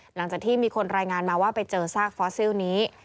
หลังจากที่มีคนรายงานมาว่าไปเจอซากฟอสซิลนี้